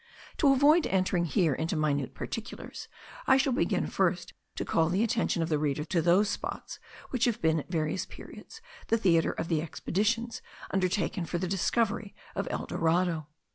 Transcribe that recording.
To avoid entering here into minute particulars, I shall begin first to call the attention of the reader to those spots which have been, at various periods, the theatre of the expeditions undertaken for the discovery of El Dorado.